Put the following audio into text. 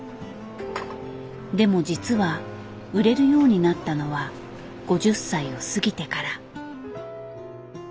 でも実は売れるようになったのは５０歳を過ぎてから。